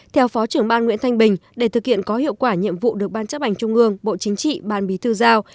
theo phó trưởng ban nguyễn thanh bình để thực hiện có hiệu quả nhiệm vụ được ban chấp hành trung ương bộ chính trị ban bí thư giao